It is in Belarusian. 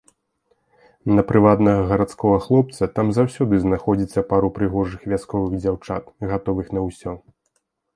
На прывабнага гарадскога хлопца там заўсёды знаходзіцца пару прыгожых вясковых дзяўчат, гатовых на ўсё.